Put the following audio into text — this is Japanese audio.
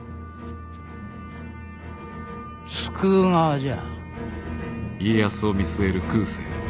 救う側じゃ。